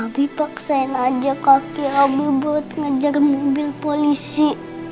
abi paksain aja kaki abi buat ngejar mobil polisi